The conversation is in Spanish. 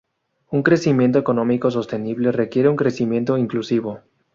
Un crecimiento económico sostenible requiere un crecimiento inclusivo.